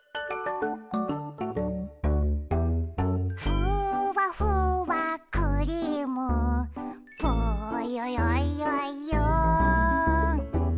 「ふわふわクリームぽよよよよん」